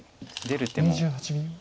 出る手も。